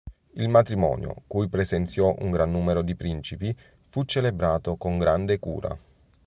Il matrimonio, cui presenziò un gran numero di principi, fu celebrato con grande cura.